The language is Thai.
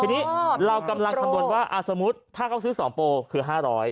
ทีนี้เรากำลังคำนวณว่าสมมุติถ้าเขาซื้อ๒โปรคือ๕๐๐